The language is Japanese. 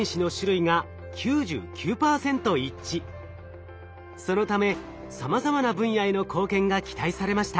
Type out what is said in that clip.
そのためさまざまな分野への貢献が期待されました。